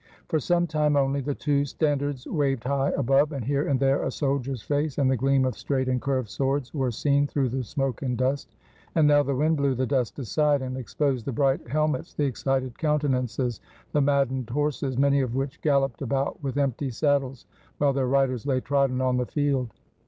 For some time only the two standards waved high above, and here and there a soldier's face, and*the gleam of straight and curved swords, were seen through the smoke and dust; and now the wind blew the dust aside, and exposed the bright helmets, the excited counte nances, the maddened horses, many of which galloped about with empty saddles, while their riders lay trodden on the field.